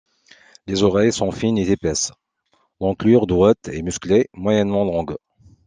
Les oreilles sont fines et épaisses, l'encolure droite et musclée, moyennement longue.